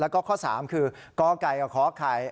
แล้วก็ข้อ๓คือกไก่กับคไข่